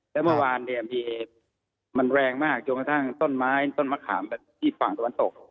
แล้วเมื่อวานเนี่ยมันแรงมากจนกระทั่งต้นไม้ต้นมะขามแบบที่ฝั่งตะวันตก